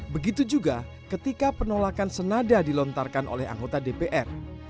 begitu juga ketika penolakan senada dilontarkan oleh anggota dpr